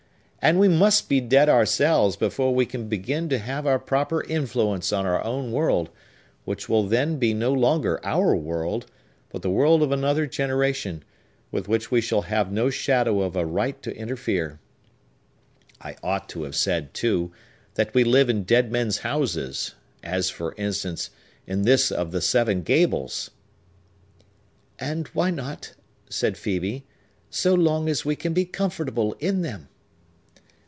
And we must be dead ourselves before we can begin to have our proper influence on our own world, which will then be no longer our world, but the world of another generation, with which we shall have no shadow of a right to interfere. I ought to have said, too, that we live in dead men's houses; as, for instance, in this of the Seven Gables!" "And why not," said Phœbe, "so long as we can be comfortable in them?"